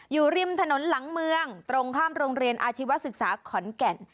อยู่ริมถนนหลังเมืองตรงข้ามโรงเรียนอาชีวศึกษาขอนแก่น